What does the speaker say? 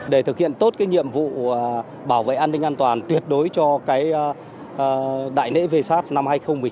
để thực hiện tốt cái nhiệm vụ bảo vệ an ninh an toàn tuyệt đối cho cái đại lễ v sat năm hai nghìn một mươi chín